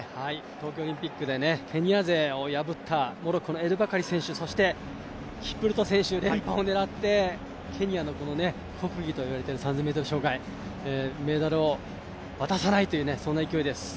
東京オリンピックてケニア勢を破ったモロッコのエル・バカリ選手そしてキプルト選手、連覇を狙ってケニアの国技と言われている３０００ｍ障害、メダルを渡さないというそんな勢いです。